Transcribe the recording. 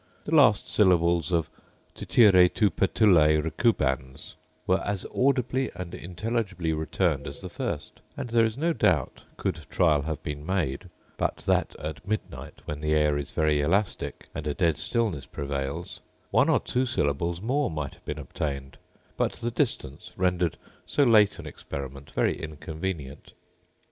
The last syllables of Tityre, tu patulæ recubans … were as audibly and intelligibly returned as the first: and there is no doubt, could trial have been made, but that at midnight, when the air is very elastic, and a dead stillness prevails, one or two syllables more might have been obtained; but the distance rendered so late an experiment very inconvenient.